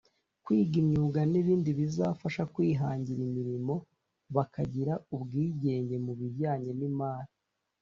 kwiga imyuga n’ibindi bizabafasha kwihangira imirimo bakagira ubwigenge mu bijyanye n’imari